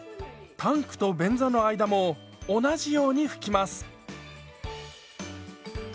タンクと便座の間も同じように拭きます。